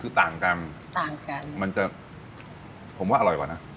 คือต่างกันต่างกันมันจะผมว่าอร่อยกว่านะ